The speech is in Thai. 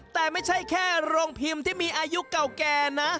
แต่ไม่ใช่แค่โรงพิมพ์ที่มีอายุเก่าแก่นะ